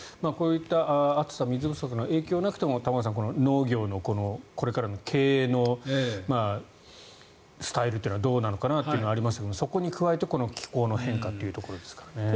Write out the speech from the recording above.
こういった暑さ水不足の影響がなくても農業のこれからの経営のスタイルというのはどうなのかなというのはありますがそれに加えてこの気候の変化というところですから。